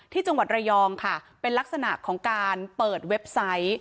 ที่จังหวัดระยองค่ะเป็นลักษณะของการเปิดเว็บไซต์